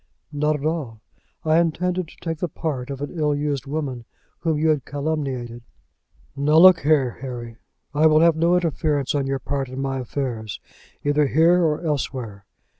"Not at all; I intended to take the part of an ill used woman whom you had calumniated." "Now look here, Harry, I will have no interference on your part in my affairs, either here or elsewhere.